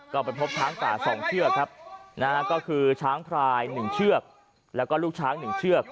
ก็ไปพบช้างป่า๒เชือกครับนะฮะก็คือช้างพลาย๑เชือกแล้วก็ลูกช้าง๑เชือก